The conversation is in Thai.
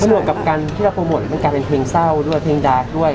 หวกกับการที่เราโปรโมทมันกลายเป็นเพลงเศร้าด้วยเพลงดาร์กด้วย